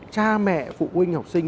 cha mẹ phụ huynh học sinh